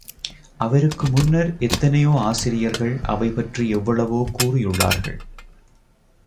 அவருக்கு முன்னர், எத்தனையோ ஆசிரியர்கள், அவை பற்றி எவ்வளவோ கூறி யுள்ளார்கள்.